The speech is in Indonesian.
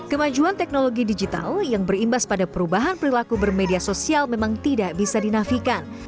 kemajuan teknologi digital yang berimbas pada perubahan perilaku bermedia sosial memang tidak bisa dinafikan